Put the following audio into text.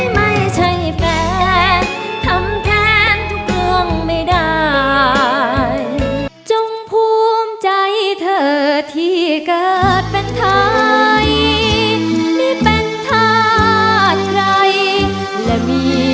ไม่เป็นท่าใจและมีน้ำใจร้อนปริม